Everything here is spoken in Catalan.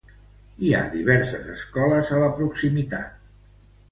Hi ha diverses escoles a la proximitat.